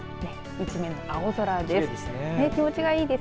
一面青空です。